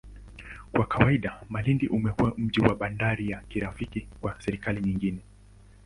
Kwa kawaida, Malindi umekuwa mji na bandari ya kirafiki kwa serikali zingine.